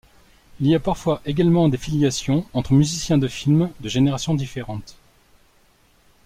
Il y a parfois également des filiations entre musiciens de films de générations différentes.